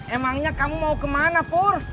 emangnya kamu mau kemana for